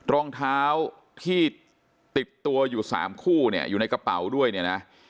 รองเท้าที่ติดตัวอยู่๓คู่เนี่ยอยู่ในกระเป๋าด้วยเนี่ยนะ